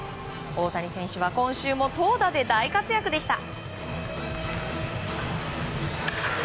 大谷選手は今週も投打で大活躍でした。